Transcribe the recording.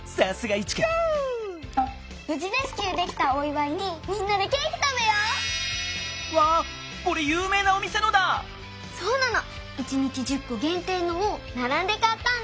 １にち１０こげんていのをならんでかったんだ。